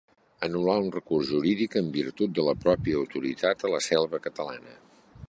Anul·là un recurs jurídic en virtut de la pròpia autoritat a la Selva catalana.